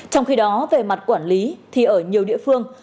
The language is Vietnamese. trong khi đó về mặt quản lý thì ở nhiều địa phương